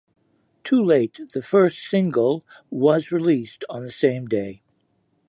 "Too Late", the first single, was released on the same day.